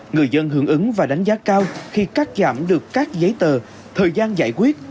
người dân hưởng ứng và đánh giá cao khi cắt giảm được các giấy tờ thời gian giải quyết